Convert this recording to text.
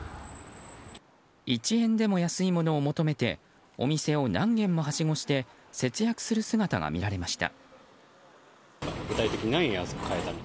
１円でも安いものを求めてお店を何軒もはしごして節約する姿が見られました。